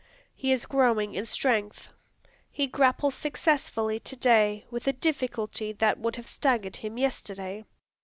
He is growing in strength. He grapples successfully to day with a difficulty that would have staggered him yesterday.